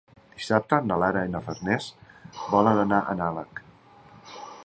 Dissabte na Lara i na Farners volen anar a Nalec.